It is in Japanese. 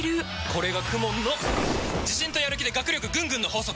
これがＫＵＭＯＮの自信とやる気で学力ぐんぐんの法則！